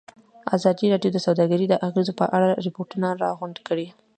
ازادي راډیو د سوداګري د اغېزو په اړه ریپوټونه راغونډ کړي.